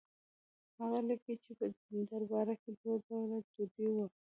هغه لیکي چې په دربار کې دوه ډوله ډوډۍ وه.